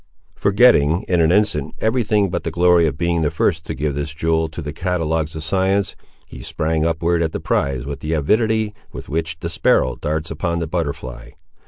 Forgetting, in an instant, every thing but the glory of being the first to give this jewel to the catalogues of science, he sprang upward at the prize with the avidity with which the sparrow darts upon the butterfly.